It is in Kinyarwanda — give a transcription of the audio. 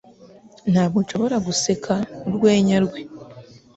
Ntabwo nshobora guseka urwenya rwe.